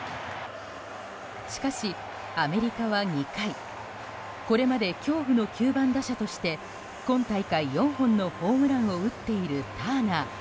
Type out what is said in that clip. しかしアメリカは２回これまで恐怖の９番打者として今大会、４本のホームランを打っているターナー。